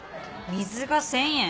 水が１，０００円！？